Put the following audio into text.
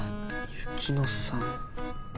雪乃さん。